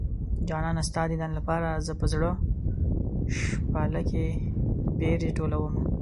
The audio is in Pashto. جانانه ستا ديدن لپاره زه په زړه شپاله کې بېرې ټولومه